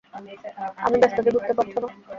আমি ব্যস্ত যে বুঝতে পারছ না?